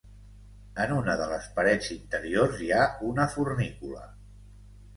En una de les parets interiors hi ha una fornícula.